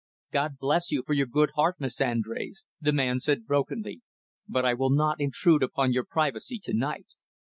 "God bless you, for your good heart, Miss Andrés," the man said brokenly. "But I will not intrude upon your privacy to night.